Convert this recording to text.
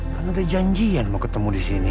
kan udah janjian mau ketemu di sini